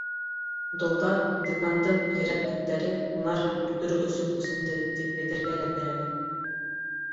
Долдар — Декандың ерән эттәре — һунар һәм үлтереү өсөн күсенде, тип әйтергә лә теләне.